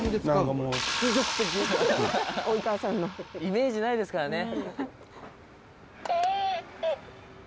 「及川さんの」「イメージないですからね」